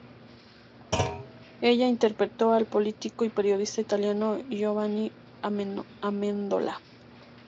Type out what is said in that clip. En ella interpretó al político y periodista italiano Giovanni Amendola.